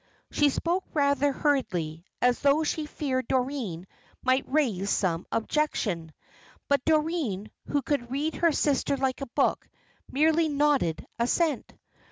She spoke rather hurriedly, as though she feared Doreen might raise some objection. But Doreen, who could read her sister like a book, merely nodded assent.